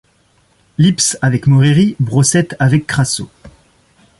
Lipse avec Moreri, Brossette avec Crasso ;